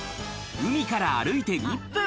海から歩いて１分。